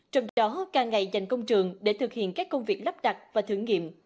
trong đó ca ngày dành công trường để thực hiện các công việc lắp đặt và thử nghiệm